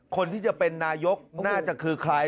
คนที่จะเป็นนายกน่าจะคือใคร